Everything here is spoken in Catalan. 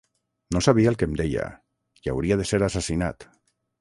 No sabia el que em deia, i hauria de ser assassinat.